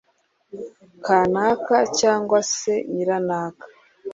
kanaka cyangwa se na nyiranaka”.